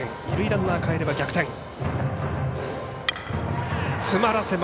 二塁ランナーかえれば逆転。